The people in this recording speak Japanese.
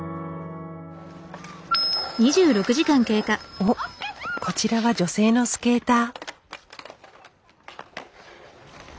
おっこちらは女性のスケーター。